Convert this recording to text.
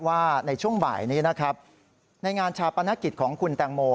ว่าในช่วงบ่ายนี้นะครับในงานชาปนกิจของคุณแตงโม